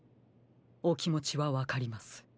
おきもちはわかります。